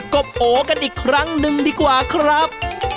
บโอกันอีกครั้งหนึ่งดีกว่าครับ